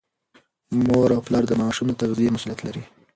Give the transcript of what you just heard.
مور او پلار د ماشوم د تغذیې مسؤلیت لري.